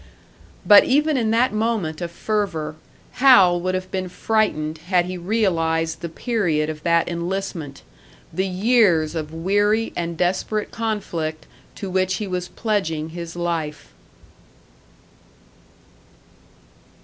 But even in that moment of fervour, Hal would have been frightened had he realised the period of that enlistment, the years of weary and desperate conflict to which he was pledging his life.